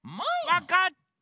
わかった！